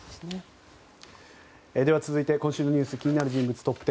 続いて、今週のニュース気になる人物トップ１０。